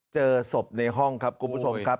เจอศพในห้องครับคุณผู้ชมครับ